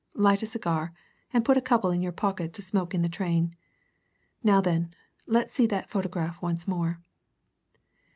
Light a cigar and put a couple in your pocket to smoke in the train. Now then, let's see that photograph once more."